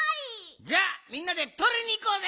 じゃあみんなでとりにいこうぜ！